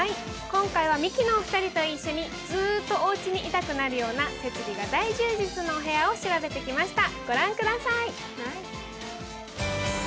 今回はミキのお二人と一緒にずーっとおうちに居たくなるような設備が大充実のおうちを調べてきました。